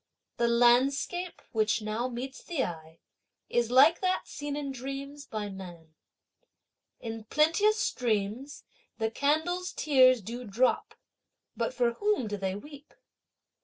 The landscape, which now meets the eye, is like that seen in dreams by man. In plenteous streams the candles' tears do drop, but for whom do they weep?